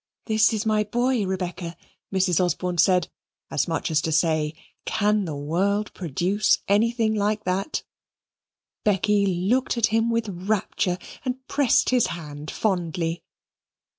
"This is my boy, Rebecca," Mrs. Osborne said as much as to say can the world produce anything like that? Becky looked at him with rapture and pressed his hand fondly.